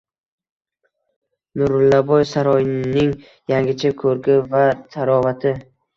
Nurullaboy saroyining yangicha ko‘rki va tarovati